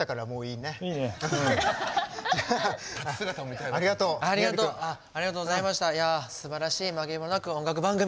いやすばらしい紛れもなく音楽番組。